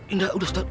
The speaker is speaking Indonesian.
enggak udah ustadz